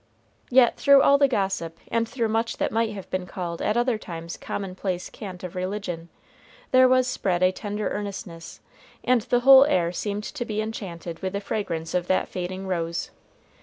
Yet through all the gossip, and through much that might have been called at other times commonplace cant of religion, there was spread a tender earnestness, and the whole air seemed to be enchanted with the fragrance of that fading rose.